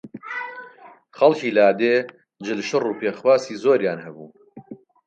خەڵکی لادێ جلشڕ و پێخواسی زۆریان هەبوو